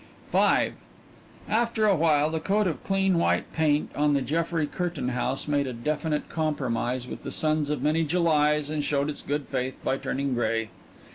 V After a while the coat of clean white paint on the Jeffrey Curtain house made a definite compromise with the suns of many Julys and showed its good faith by turning gray.